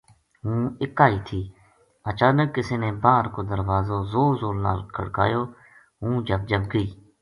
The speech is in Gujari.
ہوں اِکا ہی تھی اچانک کسے نے باہر کو دروازو زور زور نال کھڑکایو ہوں جھَب جھَب گئی